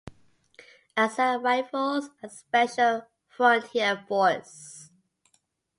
Assam Rifles and Special Frontier Force.